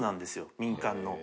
民間の。